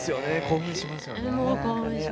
興奮しますよね。